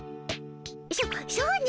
そそうね。